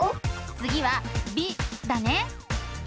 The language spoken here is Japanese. つぎは「び」だね。